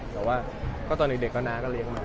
แต่ว่าก็ตอนเด็กก็น้าก็เลี้ยงมา